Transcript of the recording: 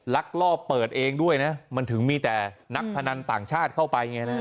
ลักลอบเปิดเองด้วยนะมันถึงมีแต่นักพนันต่างชาติเข้าไปไงนะ